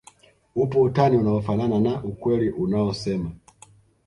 upo utani unaofanana na ukweli unaosema